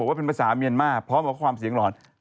ว่าเป็นภาษาเมียนมาร์พร้อมกับความเสียงหลอน